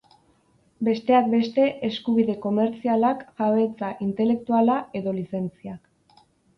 Besteak beste, eskubide komertzialak, jabetza intelektuala edo lizentziak.